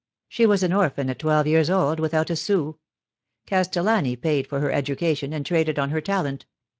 She was an orphan at twelve years old, without a sou. Castellani paid for her education, and traded on her talent.